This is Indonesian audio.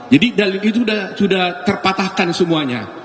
jadi dari itu sudah terpatahkan semuanya